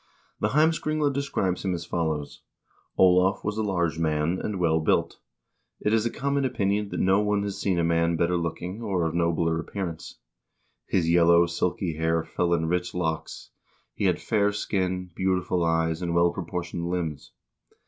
The "Heimskringla" describes him as follows: "Olav was a large man, and well built. It is a common opinion that no one has seen a man better looking, or of nobler appearance. His yellow, silky hair fell in rich locks ; he had fair skin, beautiful eyes, and well proportioned limbs.